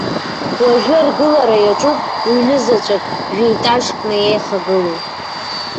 Уажәы аргылара иаҿуп ҩны заҵәык жә-етажкны еихагылоу.